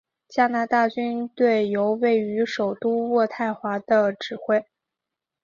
加拿大军队由位于首都渥太华的指挥。